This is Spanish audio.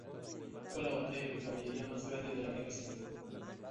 Fue la batalla de caballería más grande de la Guerra Civil.